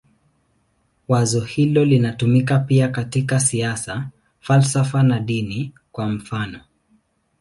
Wazo hilo linatumika pia katika siasa, falsafa na dini, kwa mfanof.